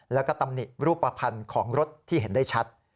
แล้วก็ตำหนิรูปภัณฑ์ของรถที่เห็นได้ชัด